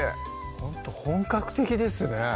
ほんと本格的ですね